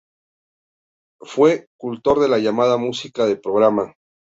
Fue cultor de la llamada música de programa.